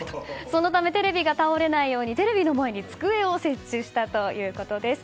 そのためテレビが倒れないようにテレビの前に机を設置したということです。